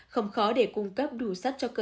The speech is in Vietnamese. không khó để cung cấp đủ sắt cho con